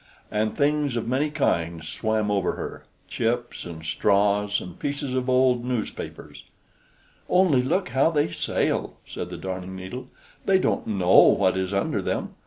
And things of many kinds swam over her, chips and straws and pieces of old newspapers. "Only look how they sail!" said the Darning needle. "They don't know what is under them!